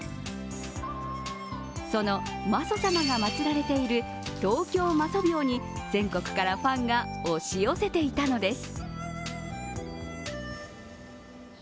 その媽祖様が祭られている東京媽祖廟に全国からファンが押し寄せていたのです。